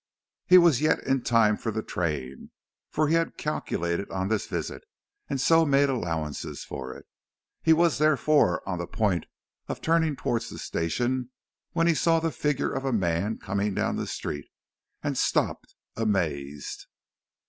He was yet in time for the train, for he had calculated on this visit, and so made allowances for it. He was therefore on the point of turning towards the station, when he saw the figure of a man coming down the street, and stopped, amazed.